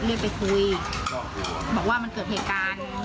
เราก็เลยไม่ได้ติดใจอะไร